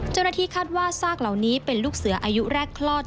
เจ้าหน้าที่คาดว่าซากเหล่านี้เป็นลูกเสืออายุแรกคลอด